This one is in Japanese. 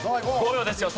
５秒ですよ。